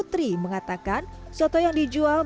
soto ini juga berisi daging sapi dengan kuah santan